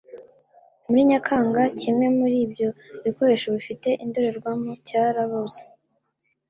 Muri Nyakanga, kimwe muri ibyo bikoresho gifite indorerwamo cyarabuze